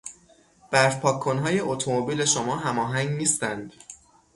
برف پاک کنهای اتومبیل شما هماهنگ نیستند.